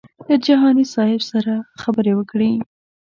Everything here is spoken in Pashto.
له جهاني صاحب سره خبرې وکړې.